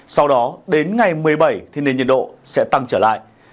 sau đó đến ngày một mươi bảy thì nền nhiệt độ sẽ tăng trở lại